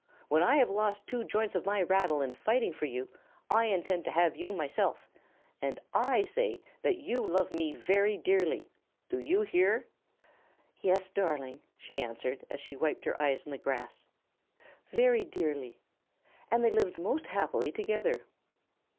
When I have lost two joints of my rattle in fighting for you, I intend to have you myself, and I say that you love me very dearly. Do you hear?" "Yes, darling," she answered, as she wiped her eyes on the grass, "very dearly." And they lived most happily together.